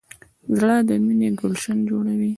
زړه د مینې ګلشن جوړوي.